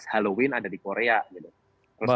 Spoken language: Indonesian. halloween ada di korea gitu terus